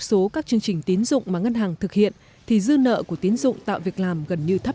số các chương trình tín dụng mà ngân hàng thực hiện thì dư nợ của tiến dụng tạo việc làm gần như thấp